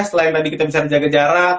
selain tadi kita bisa menjaga jarak